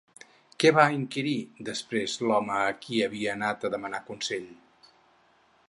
Què va inquirir després l'home a qui havia anat a demanar consell?